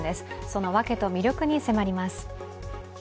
その訳と魅力に迫ります。